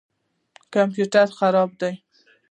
کمپیوټر خراب دی